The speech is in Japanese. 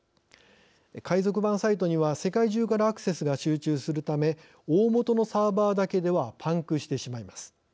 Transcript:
海賊版サイトには、世界中からアクセスが集中するため大本のサーバーだけではパンクしてしまいます。